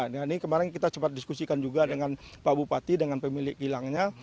nah ini kemarin kita sempat diskusikan juga dengan pak bupati dengan pemilik kilangnya